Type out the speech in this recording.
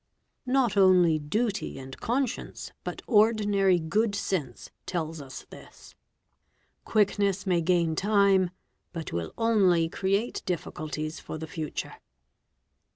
Not only duty and conscience but ordinary good sense tell } MUZZLE LOADERS 429 this. Quickness may gain time but will only create difficulties for the future.